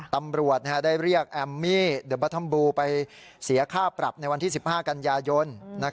ตำรวจได้เรียกแอมมี่เดอร์บอทอมบูไปเสียค่าปรับในวันที่๑๕กันยายน